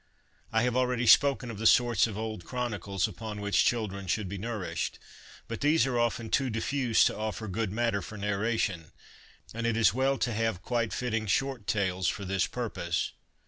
I have already spoken of the sorts of old chronicles upon which children should be nourished ; but these are often too diffuse to offer good matter for narration, and it is well to have quite fitting short tales for this purpose.